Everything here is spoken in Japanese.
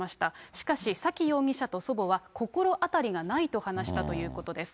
しかし沙喜容疑者と祖母は、心当たりがないと話したということです。